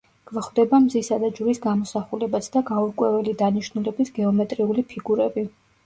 გვხვდება მზისა და ჯვრის გამოსახულებაც და გაურკვეველი დანიშნულების გეომეტრიული ფიგურები.